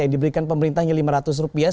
yang diberikan pemerintahnya lima ratus rupiah